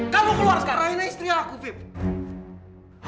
kamu keluar sekarang